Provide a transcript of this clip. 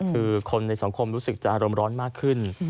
คือคนในสังคมรู้สึกจะอารมณ์ร้อนมากขึ้น